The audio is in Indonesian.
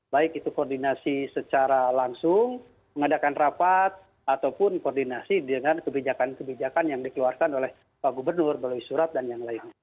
baik itu koordinasi secara langsung mengadakan rapat ataupun koordinasi dengan kebijakan kebijakan yang dikeluarkan oleh pak gubernur melalui surat dan yang lainnya